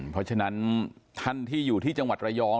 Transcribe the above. เพราะฉะนั้นท่านที่อยู่ที่จังหวัดระยอง